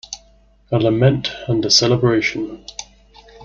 A lament and a celebration.